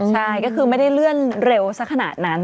ใช่ก็คือไม่ได้เลื่อนเร็วสักขนาดนั้น